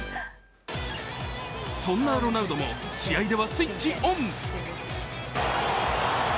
そんなロナウドも試合ではスイッチオン。